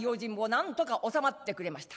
なんとかおさまってくれました。